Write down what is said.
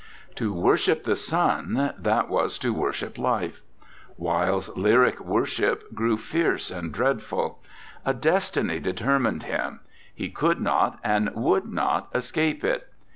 To worship the sun, that was to wor ship life. Wilde's lyric worship grew fierce and dreadful. A destiny deter mined him; he could not and would not escape it.